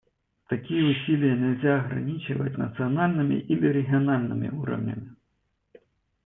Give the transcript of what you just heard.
Такие усилия нельзя ограничивать национальными или региональными уровнями.